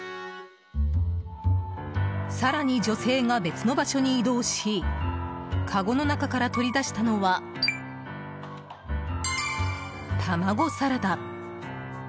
更に女性が別の場所に移動しかごの中から取り出したのは卵サラダ。